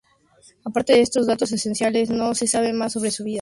Aparte de estos datos esenciales no se sabe más sobre su vida.